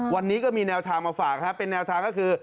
วันนี้ก็มีแนวทางมาฝากเป็นแนวทางก็คือ